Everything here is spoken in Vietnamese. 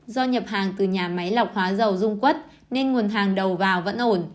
do nhập hàng từ nhà máy lọc hóa dầu dung quất nên nguồn hàng đầu vào vẫn ổn